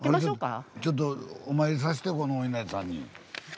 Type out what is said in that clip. ちょっとお参りさしてこのおいなりさんに。